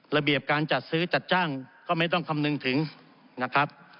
ระเบียบการจัดซื้อจัดจ้างก็ไม่ต้องคำนึงถึงนะครับ